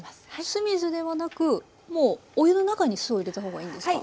酢水ではなくもうお湯の中に酢を入れた方がいいんですか？